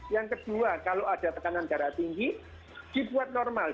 yang kedua kalau ada tekanan darah tinggi dibuat normal